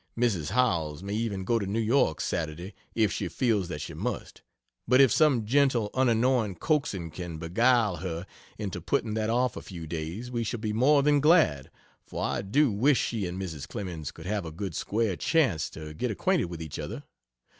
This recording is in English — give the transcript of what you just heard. Mrs. Howells may even go to New York Saturday if she feels that she must, but if some gentle, unannoying coaxing can beguile her into putting that off a few days, we shall be more than glad, for I do wish she and Mrs. Clemens could have a good square chance to get acquainted with each other.